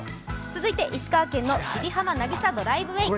続いて石川県の千里浜なぎさドライブウェイ。